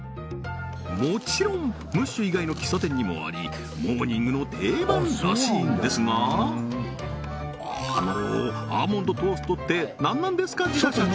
もちろんムッシュ以外の喫茶店にもありモーニングの定番らしいんですがあのアーモンドトーストって何なんですか治田社長